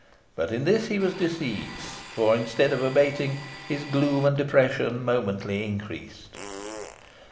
But in this he was deceived, for, instead of abating, his gloom and depression momently increased.